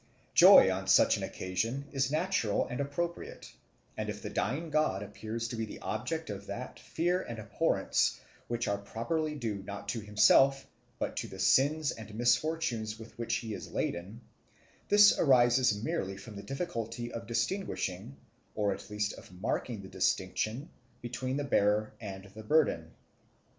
Joy on such an occasion is natural and appropriate; and if the dying god appears to be the object of that fear and abhorrence which are properly due not to himself, but to the sins and misfortunes with which he is laden, this arises merely from the difficulty of distinguishing, or at least of marking the distinction, between the bearer and the burden.